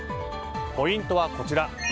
ポイントはこちら。